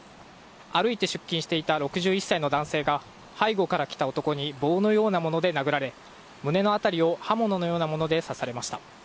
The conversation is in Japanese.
歩いて出勤していた６１歳の男性が背後から来た男に棒のようなもので殴られ胸の辺りを刃物のようなもので刺されました。